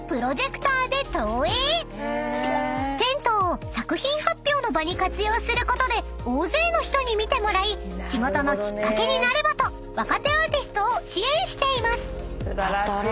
［銭湯を作品発表の場に活用することで大勢の人に見てもらい仕事のきっかけになればと若手アーティストを支援しています］